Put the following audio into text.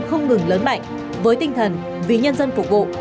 không ngừng lớn mạnh với tinh thần vì nhân dân phục vụ